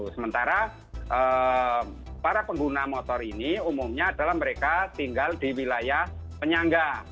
sementara para pengguna motor ini umumnya adalah mereka tinggal di wilayah penyangga